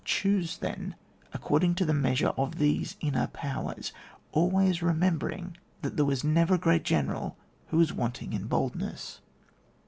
Choose then according to the measure of these inner powers ; always remembering that there never was a great general who was wanting in bold ness.